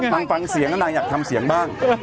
นางฟังเสียงแล้วนางอยากทำเสียงบ้าง